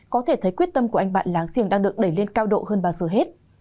có thể thấy quyết tâm của anh bạn láng giềng đang được đẩy lên cao độ hơn bao giờ hết